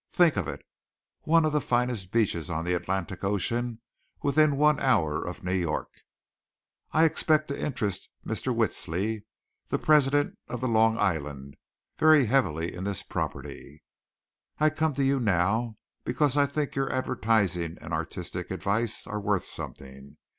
Think of it one of the finest beaches on the Atlantic Ocean within one hour of New York! I expect to interest Mr. Wiltsie, the President of the Long Island, very heavily in this property. I come to you now because I think your advertising and artistic advice are worth something.